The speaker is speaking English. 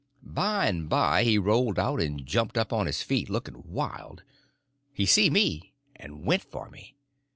By and by he rolled out and jumped up on his feet looking wild, and he see me and went for me.